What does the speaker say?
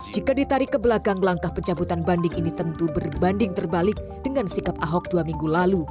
jika ditarik ke belakang langkah pencabutan banding ini tentu berbanding terbalik dengan sikap ahok dua minggu lalu